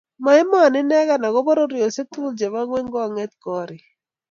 Mo emoni inegei ako pororiosiek tugul chebo ngwony konget gorik